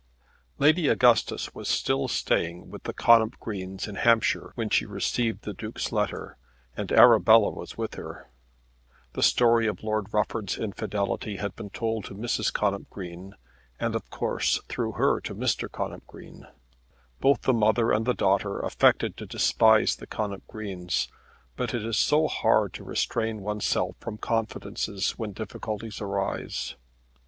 Lady Augustus was still staying with the Connop Greens in Hampshire when she received the Duke's letter and Arabella was with her. The story of Lord Rufford's infidelity had been told to Mrs. Connop Green, and, of course through her to Mr. Connop Green. Both the mother and daughter affected to despise the Connop Greens; but it is so hard to restrain oneself from confidences when difficulties arise!